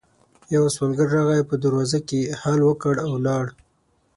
يو سوالګر راغی، په دروازه کې يې هل وکړ او ولاړ.